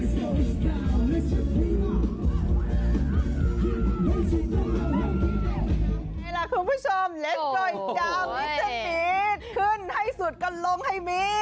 นี่ล่ะคุณผู้ชมเลสโกยดาววิทยาลีฟิตขึ้นให้สุดกำลังให้บีต